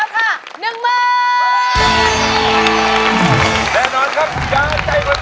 กินแล้วแบบโอ้มันแซ่บมากกว่า